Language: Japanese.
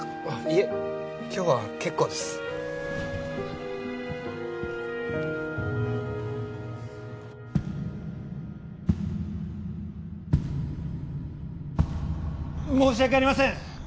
いえ今日は結構です申し訳ありません！